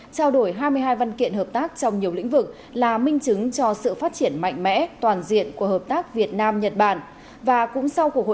trao đổi hai mươi hai văn kiện hợp tác trong nhiều lĩnh vực là minh chứng cho sự phát triển mạnh mẽ toàn diện của hợp tác việt nam nhật bản